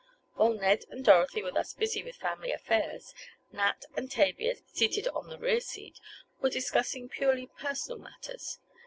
While Ned and Dorothy were thus busy with family affairs, Nat and Tavia, seated on the rear seat, were discussing purely personal matters.